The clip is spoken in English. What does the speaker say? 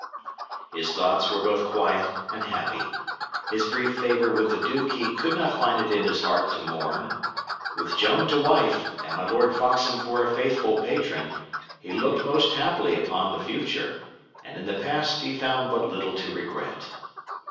His thoughts were both quiet and happy. His brief favour with the Duke he could not find it in his heart to mourn; with Joan to wife, and my Lord Foxham for a faithful patron, he looked most happily upon the future; and in the past he found but little to regret.